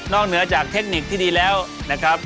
เหนือจากเทคนิคที่ดีแล้วนะครับ